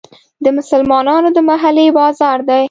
د مسلمانانو د محلې بازار دی.